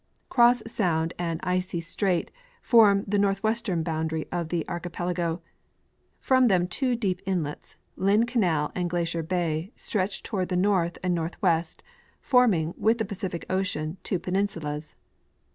Cross sound and Icy strait form the northwestern boundary of the archipelago. From them two deep inlets, Lynn canal and Glacier bay, stretch toward the north and northwest, forming, with the Pacific ocean, two i^eninsulas.